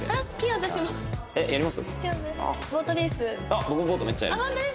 僕もボートめっちゃやります。